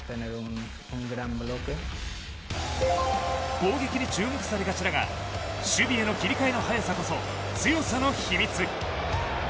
攻撃に注目されがちだが守備への切り替えの早さこそ強さの秘密。